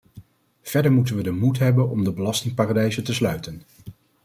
Verder moeten we de moed hebben om de belastingparadijzen te sluiten.